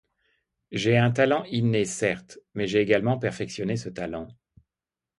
J’ai un talent inné certes, mais j’ai également perfectionné ce talent.